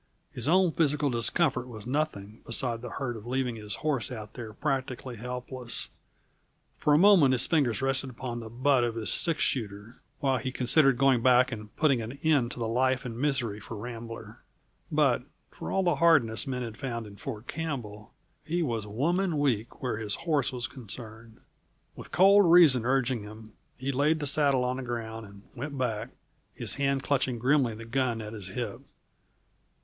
His own physical discomfort was nothing, beside the hurt of leaving his horse out there practically helpless; for a moment his fingers rested upon the butt of his six shooter, while he considered going back and putting an end to life and misery for Rambler. But for all the hardness men had found in Ford Campbell, he was woman weak where his horse was concerned. With cold reason urging him, he laid the saddle on the ground and went back, his hand clutching grimly the gun at his hip.